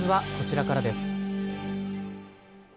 まずは、こちらからです。